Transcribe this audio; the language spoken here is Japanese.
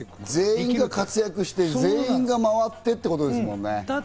全員が活躍して、全員が回ってってことですもんね。